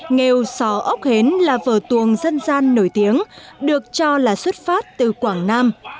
nghề sò ốc hến là vở tuồng dân gian nổi tiếng được cho là xuất phát từ quảng nam